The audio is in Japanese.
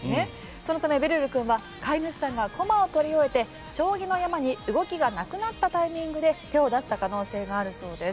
そのためべるる君は飼い主さんが駒を取り終えて将棋の山に動きがなくなったタイミングで手を出した可能性があるそうです。